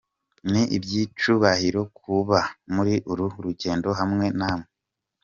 Ni iby’icyubahiro kuba muri uru rugendo hamwe namwe.